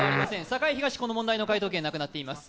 栄東、この問題の解答権なくなっています。